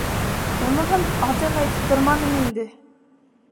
Уныһын атайға әйтеп торманым инде.